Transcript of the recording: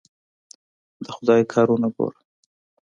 د خدای کارونه ګوره.